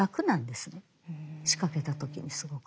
仕掛けた時にすごく。